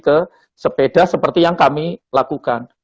ke sepeda seperti yang kami lakukan